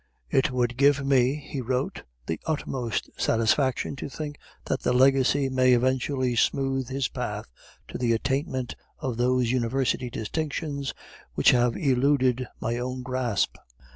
"It would give me," he wrote, "the utmost satisfaction to think that the legacy may eventually smooth his path to the attainment of those University distinctions which have eluded my own grasp."